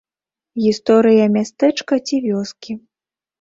Гісторыя мястэчка ці вёскі.